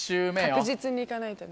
確実に行かないとね。